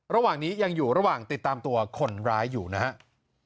ระหว่างนี้ยังอยู่ระหว่างติดตามตัวคนร้ายอยู่นะครับ